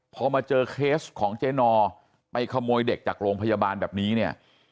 พอมาเจอเคสของเจ๊นอไปขโมยเด็กจากโรงพยาบาลแบบนี้เนี่ย